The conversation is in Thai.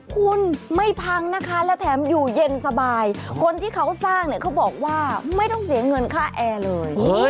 คุณไม่พังนะคะและแถมอยู่เย็นสบายคนที่เขาสร้างเนี่ยเขาบอกว่าไม่ต้องเสียเงินค่าแอร์เลย